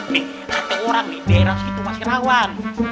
nih kata orang nih daerah segitu masih rawan